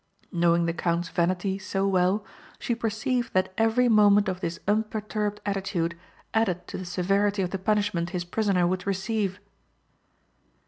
Knowing the count's vanity so well she perceived that every moment of this unperturbed attitude added to the severity of the punishment his prisoner would receive.